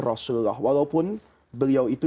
rasulullah walaupun beliau itu